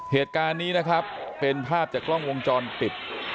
เหตุการณ์นี้เป็นภาพจากกล้องวงจรติด